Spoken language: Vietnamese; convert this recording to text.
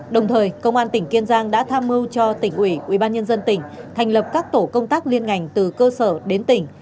đồng thời công an tỉnh kiên giang đã tham mưu cho tỉnh quỷ ubnd tp phú quốc thành lập các tổ công tác liên ngành từ cơ sở đến tỉnh